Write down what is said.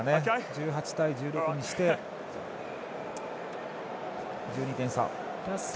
１８対６にして、１２点差に。